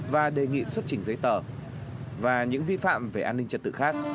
và đề nghị xuất trình giấy tờ và những vi phạm về an ninh trật tự khác